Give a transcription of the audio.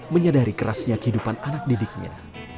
menyadari kerasnya kehidupan anak didiknya